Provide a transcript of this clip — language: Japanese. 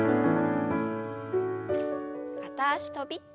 片脚跳び。